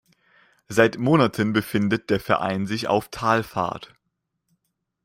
Seit Monaten befindet der Verein sich auf Talfahrt.